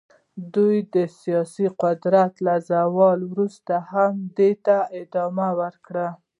دوی د سیاسي قدرت له زوال وروسته هم دې ته ادامه ورکړه.